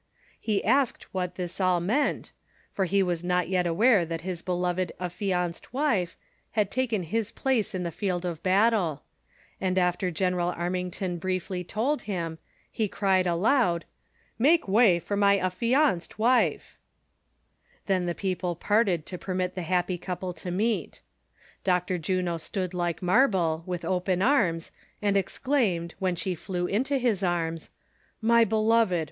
" He asked what this all meant, for he was not yet aware that his beloved affianced wife had taken his place in the field of battle ; and after General Armington briefly told him, he cried aloud :" Make way for my affianced wife !" 24 370 THE SOCIAL WAR OF 1900; OR, Then the people parted to permit tlie happy couple to meet. Dr. Juno stood like marble, with open arms, and exclaimed, when she llew into his arms :"■ My beloved